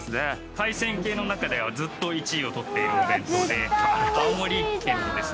海鮮系の中ではずっと１位を取っているお弁当で青森県のですね